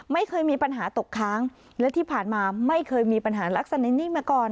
ไม่เคยมีปัญหาตกค้างและที่ผ่านมาไม่เคยมีปัญหาลักษณะนี้มาก่อน